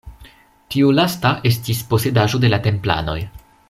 Tiu lasta estis posedaĵo de la Templanoj.